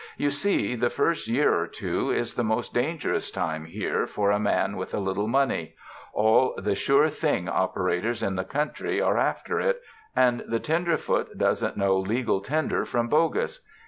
You see, the first year or two is the most dangerous time here for a man with a little money — all the sure thing operators in the country are after it, and the tenderfoot doesn't know legal tender from bogus.